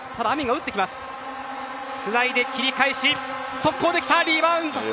速攻できた、リバウンド。